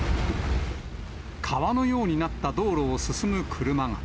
川のようになった道路を進む車が。